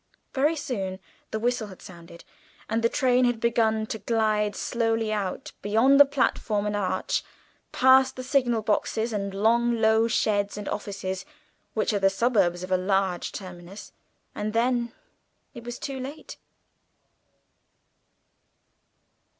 Very soon the whistle had sounded and the train had begun to glide slowly out beyond the platform and arch, past the signal boxes and long low sheds and offices which are the suburbs of a large terminus and then it was too late.